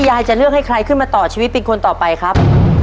ยายจะเลือกให้ใครขึ้นมาต่อชีวิตเป็นคนต่อไปครับ